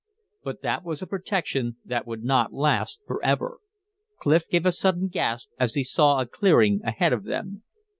But that was a protection that would not last forever. Clif gave a sudden gasp as he saw a clearing ahead of them.